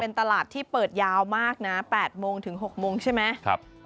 ตลาดที่เปิดยาวมากนะ๘โมงถึง๖โมงใช่ไหม